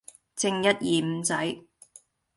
正一二五仔